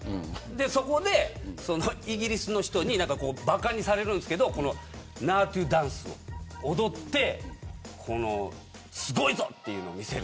そこでイギリスの人にばかにされるんですけどナートゥダンスを踊ってすごいぞっていうの見せる。